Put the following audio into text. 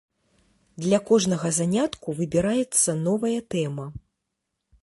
Для кожнага занятку выбіраецца новая тэма.